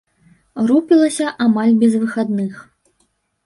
Рупілася амаль без выхадных.